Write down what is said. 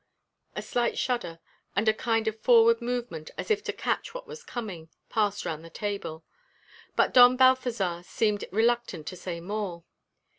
A slight shudder, and a kind of forward movement, as if to catch what was coming, passed round the table. But Don Balthazar seemed reluctant to say more.